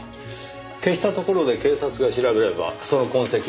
消したところで警察が調べればその痕跡は発見出来ますがねぇ。